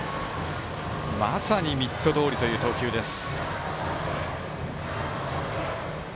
まさにミットどおりという投球です。